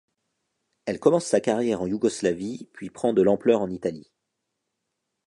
Elle commence sa carrière en Yougoslavie, puis prend de l'ampleur en Italie.